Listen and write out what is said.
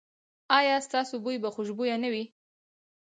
ایا ستاسو بوی به خوشبويه نه وي؟